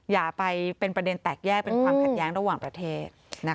อย่าไปเป็นประเด็นแตกแยกเป็นความขัดแย้งระหว่างประเทศ